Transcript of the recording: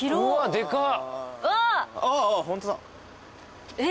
でかっ。